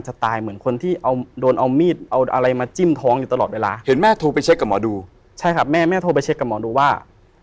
ใช่ครับแม่โทรไปเช็คกับหมอดูว่า